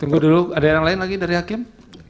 bu dulu ada yang lain lagi dari hakim